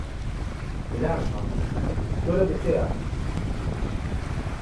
el arpa, yo lo que sea.